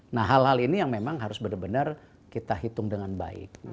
nah hal hal ini yang memang harus benar benar kita hitung dengan baik